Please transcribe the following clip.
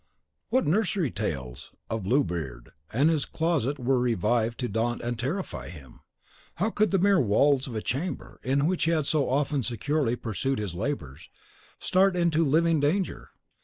What nursery tales of Bluebeard and his closet were revived to daunt and terrify him! How could the mere walls of a chamber, in which he had so often securely pursued his labours, start into living danger?